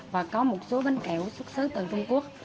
và có một số bánh kẹo xuất xứ từ trung quốc